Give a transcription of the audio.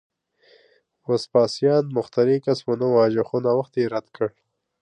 وسپاسیان مخترع کس ونه واژه، خو نوښت یې رد کړ